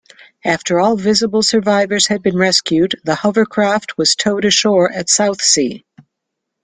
After all visible survivors had been rescued, the hovercraft was towed ashore at Southsea.